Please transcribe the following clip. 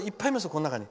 この中に。